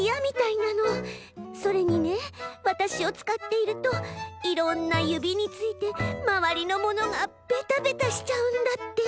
それにねわたしをつかっているといろんなゆびについてまわりのものがベタベタしちゃうんだって。